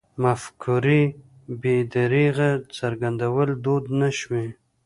مفکورې بې درېغه څرګندول دود نه شوی.